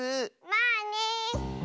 まあね。